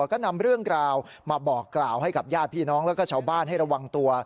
ก็นำเรื่องราวมาบอกกล่าวให้กับญาติพี่น้องแล้วก็ชาวบ้านให้ระวังตัว